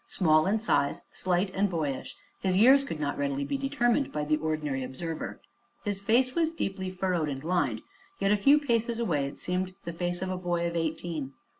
Small in size, slight and boyish, his years could not readily be determined by the ordinary observer. His face was deeply furrowed and lined, yet a few paces away it seemed the face of a boy of eighteen.